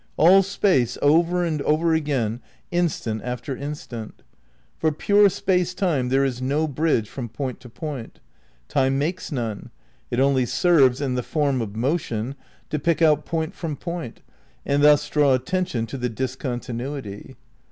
All Space, over and over again, instant after instant. For pure Space Time there is no bridge from point to point ; Time makes none ; it only serves, in the form of motion, to pick out point from point, and thus draw attention to the discontinuity.